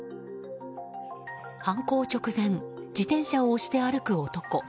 犯行直前、自転車を押して歩く男。